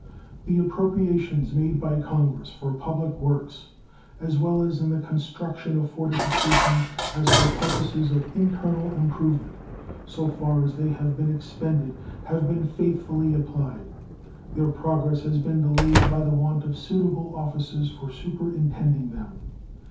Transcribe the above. The appropriations made by Congress for public works, as well in the construction of fortifications as for purposes of internal improvement, so far as they have been expended, have been faithfully applied. Their progress has been delayed by the want of suitable officers for superintending them.